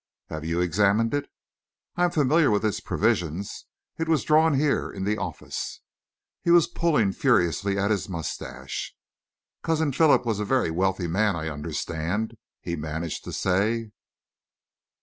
"Have you examined it?" "I am familiar with its provisions. It was drawn here in the office." He was pulling furiously at his moustache. "Cousin Philip was a very wealthy man, I understand," he managed to say.